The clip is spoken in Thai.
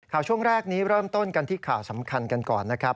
ช่วงแรกนี้เริ่มต้นกันที่ข่าวสำคัญกันก่อนนะครับ